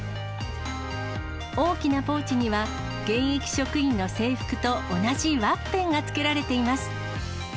大きなポーチには、現役職員の制服と同じワッペンがつけられています。